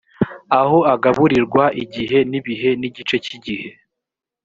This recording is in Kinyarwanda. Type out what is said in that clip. aho agaburirirwa igihe n ibihe n igice cy igihe